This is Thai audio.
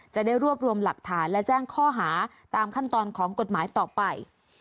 จะได้รวบรวมหลักฐานและแจ้งข้อหาตามขั้นตอนของกฎหมายต่อไป